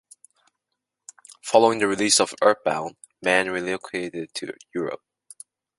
Following the release of "Earthbound", Mann relocated to Europe.